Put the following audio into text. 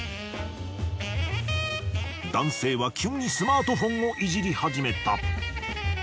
男性は急にスマートフォンをいじり始めた。